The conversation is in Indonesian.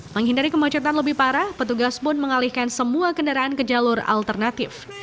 menghindari kemacetan lebih parah petugas pun mengalihkan semua kendaraan ke jalur alternatif